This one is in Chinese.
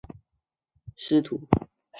圣帕斯图。